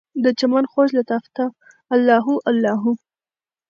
دچمن خوږ لطافته، الله هو الله هو